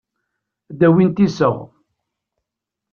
Ad d-awint iseɣ.